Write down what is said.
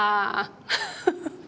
ハハハッ！